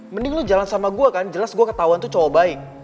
mending lu jalan sama gue kan jelas gue ketahuan tuh cowok baik